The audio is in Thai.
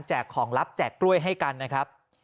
ของลับแจกกล้วยให้กันนะครับ